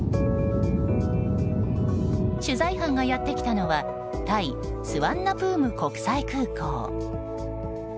取材班がやってきたのはタイ・スワンナプーム国際空港。